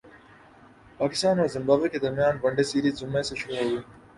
پاکستان اور زمبابوے کے درمیان ون ڈے سیریز جمعہ سے شروع ہوگی